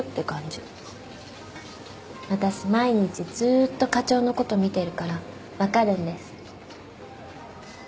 私毎日ずっと課長のこと見てるから分かるんです。